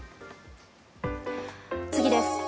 次です。